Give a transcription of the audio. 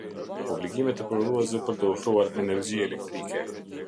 Obligimet e Prodhuesve për të Ofruar Energji Elektrike.